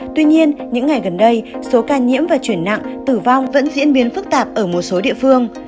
tuy nhiên những ngày gần đây số ca nhiễm và chuyển nặng tử vong vẫn diễn biến phức tạp ở một số địa phương